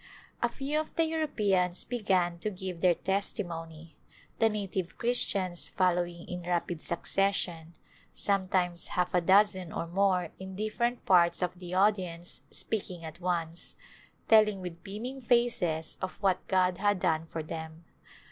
A few of the Europeans began to give their testimony, the native Christians following in rapid succession, sometimes half a dozen or more in different parts of the audience speaking at [ 344] Return to India once, telling with beaming faces of what God had done for them.